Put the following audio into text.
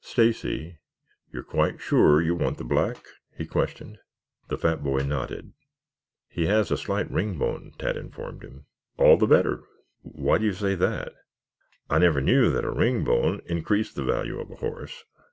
"Stacy, you are quite sure you want the black?" he questioned. The fat boy nodded. "He has a slight ringbone," Tad informed him. "All the better." "Why do you say that? I never knew that a ringbone increased the value of a horse."